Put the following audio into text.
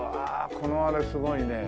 このあれすごいね。